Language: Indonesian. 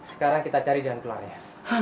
sekarang kita cari jalan keluarnya